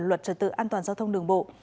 luật trở tự an toàn giao thông đường bộ